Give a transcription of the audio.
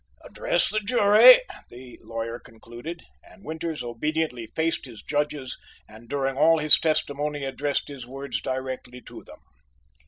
"Address the jury!" the lawyer concluded, and Winters obediently faced his judges and during all his testimony addressed his words directly to them.